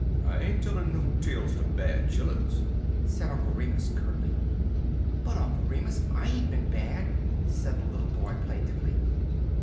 "I ain't tellin' no tales ter bad chilluns," said Uncle Remus curtly. "But, Uncle Remus, I ain't bad," said the little boy plaintively.